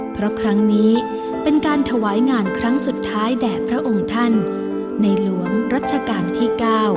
เพราะครั้งนี้เป็นการถวายงานครั้งสุดท้ายแด่พระองค์ท่านในหลวงรัชกาลที่๙